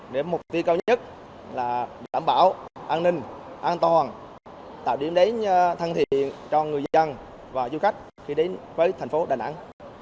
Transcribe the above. để mục tiêu cao nhất là đảm bảo an ninh an toàn tạo điểm đến thân thiện cho người dân và du khách khi đến với thành phố đà nẵng